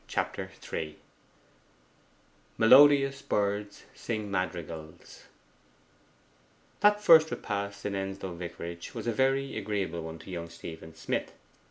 Chapter III 'Melodious birds sing madrigals' That first repast in Endelstow Vicarage was a very agreeable one to young Stephen Smith.